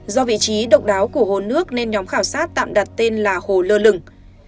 do vị trí độc đáo của hồ nước nên nhóm khảo sát tạm đặt tên là hồ lơ lửng